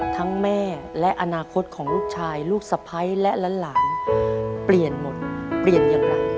แม่และอนาคตของลูกชายลูกสะพ้ายและหลานเปลี่ยนหมดเปลี่ยนอย่างไร